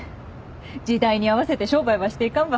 時代に合わせて商売ばしていかんば。